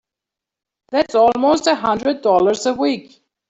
That's almost a hundred dollars a week!